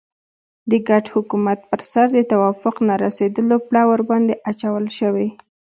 د ګډ حکومت پر سر د توافق نه رسېدلو پړه ورباندې اچول شوې.